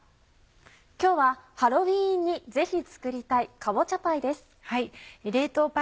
今日はハロウィーンにぜひ作りたい「かぼちゃパイ」です。